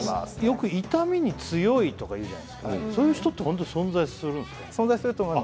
よく痛みに強いとかいうじゃないですかそういう人って本当に存在するんですか？